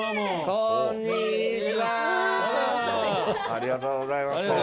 ありがとうございます。